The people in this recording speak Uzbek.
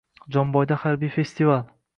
Jomboyda harbiy festival